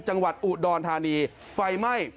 จังหวัดอุดรธานีไฟไหม้